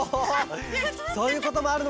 そういうこともあるのか！